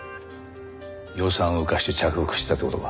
予算を浮かせて着服してたって事か。